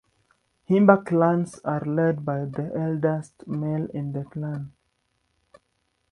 Himba clans are led by the eldest male in the clan.